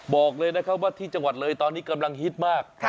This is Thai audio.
บอกเลยนะครับว่าที่จังหวัดเลยตอนนี้กำลังฮิตมาก